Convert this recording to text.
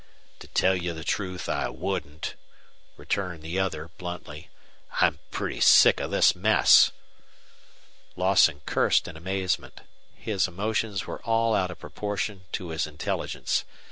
"To tell you the truth, I wouldn't," returned the other, bluntly. "I'm pretty sick of this mess." Lawson cursed in amazement. His emotions were all out of proportion to his intelligence.